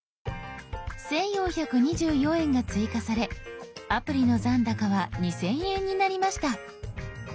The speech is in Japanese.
１，４２４円が追加されアプリの残高は２，０００円になりました。